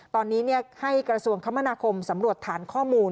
ตอนนี้ให้กระทรวงคมนาคมสำรวจฐานข้อมูล